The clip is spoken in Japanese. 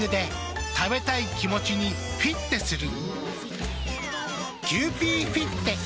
食べたい気持ちにフィッテする。